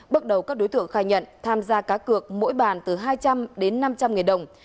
bước đầu các đối tượng khai nhận tham gia cá cược mỗi bàn từ hai trăm linh đến năm trăm linh nghìn đồng